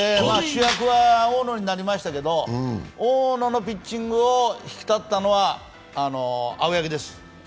主役は大野になりましたけど、大野のピッチングを引き立てたのは青柳です。